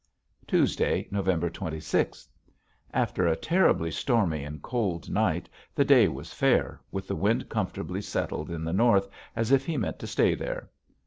Tuesday, November twenty sixth. After a terribly stormy and cold night the day was fair with the wind comfortably settled in the north as if he meant to stay there.